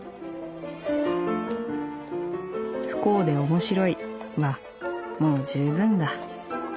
「『不幸でおもしろい』はもう十分だ。